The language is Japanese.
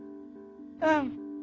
うん。